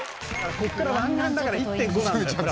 ここから湾岸だから１．５なんだよ。